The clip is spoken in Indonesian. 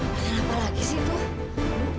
biarin apa lagi sih tuh